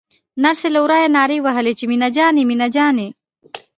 نرسې له ورايه نارې وهلې چې مينه جانې مينه جانې.